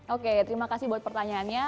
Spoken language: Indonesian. oke terima kasih buat pertanyaannya